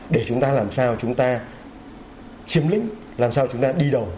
để chúng ta làm sao chúng ta chiếm lĩnh làm sao chúng ta đi đầu